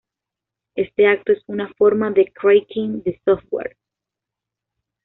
Este acto es una forma de cracking de software.